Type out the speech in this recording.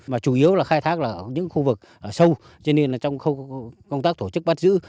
mà chủ yếu là khai thác là ở những khu vực sâu cho nên trong công tác tổ chức bắt giữ